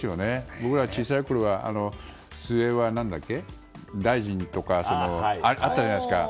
僕らが小さいころは末は大臣とかあったじゃないですか。